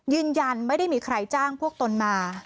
ยืนยันไม่ได้มีใครจ้างพวกตนมา